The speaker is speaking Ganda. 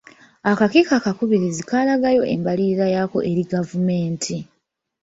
Akakiiko akakubirizi kaalagayo embalirira yako eri gavumenti.